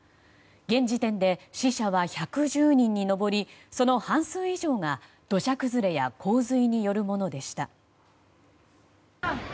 現時点で、死者は１１０人に上りその半数以上が土砂崩れや洪水によるものでした。